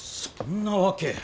そんな訳。